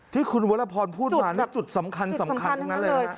ที่คุณวัลพรพูดมานั่นจุดสำคัญตรงนั้นเลยนะ